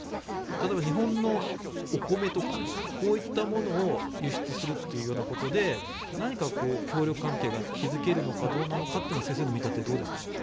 例えば日本のお米とかこういったものを輸出するということで何か協力関係が築けるのかどうかというのは先生の見立て、どうですか。